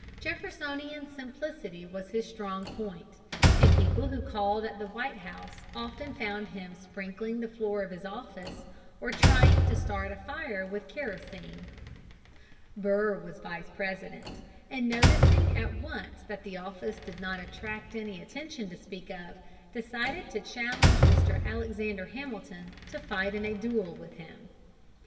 Jeffersonian simplicity was his strong point, and people who called at the White House often found him sprinkling the floor of his office, or trying to start a fire with kerosene. Burr was Vice President, and, noticing at once that the office did not attract any attention to speak of, decided to challenge Mr. Alexander Hamilton to fight a duel with him.